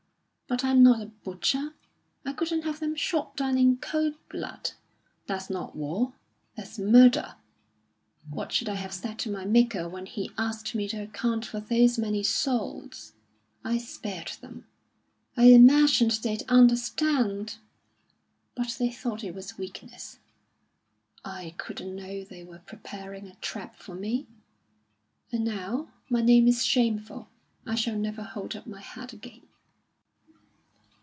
But I'm not a butcher; I couldn't have them shot down in cold blood. That's not war; that's murder. What should I have said to my Maker when He asked me to account for those many souls? I spared them; I imagined they'd understand; but they thought it was weakness. I couldn't know they were preparing a trap for me. And now my name is shameful. I shall never hold up my head again."